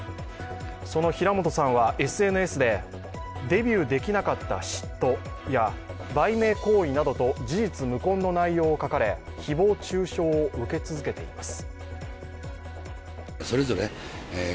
その平本さんはＳＮＳで、デビューできなかった嫉妬や売名行為などと事実無根の内容を書かれ誹謗中傷を受け続けています。